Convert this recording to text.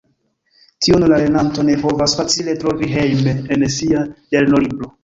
Tion la lernanto ne povas facile trovi hejme en sia lernolibro.